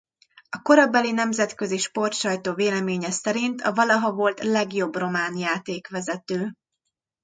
A korabeli nemzetközi sportsajtó véleménye szerint a valaha volt legjobb román játékvezető.